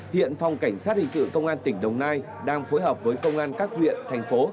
hiện phòng cảnh sát hình sự công an tỉnh đồng nai đang phối hợp với công an các huyện thành phố